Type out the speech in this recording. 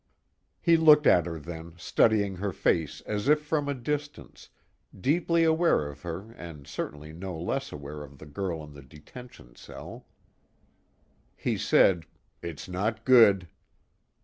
He looked at her then, studying her face as if from a distance, deeply aware of her and certainly no less aware of the girl in the detention cell. He said: "It's not good."